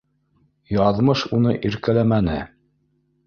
Яҙмыш уны иркәләмәне